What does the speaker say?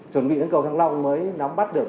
chuẩn bị đến cầu thăng long mới nắm bắt được